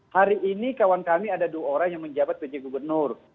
hari ini kawan kami ada dua orang yang menjabat pj gubernur